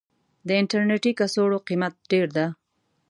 د انټرنيټي کڅوړو قيمت ډير ده.